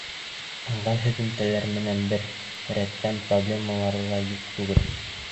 Ыңғай һөҙөмтәләр менән бер рәттән проблемалар ҙа юҡ түгел.